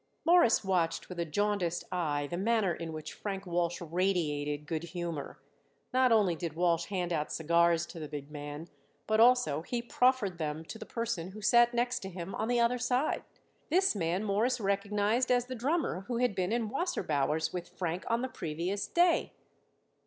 Morris watched with a jaundiced eye the manner in which Frank Walsh radiated good humor. Not only did Walsh hand out cigars to the big man, but also he proffered them to the person who sat next to him on the other side. This man Morris recognized as the drummer who had been in Wasserbauer's with Frank on the previous day.